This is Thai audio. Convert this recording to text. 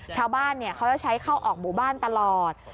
ชาวบ้านเขาจะใช้เข้าออกหมู่บ้านตลอด